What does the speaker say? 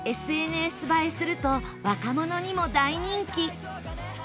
映えすると若者にも大人気